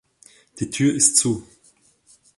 Die Tür ist zu!